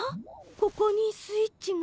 ここにスイッチが。